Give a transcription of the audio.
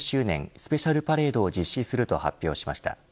スペシャルパレードを実施すると発表しました。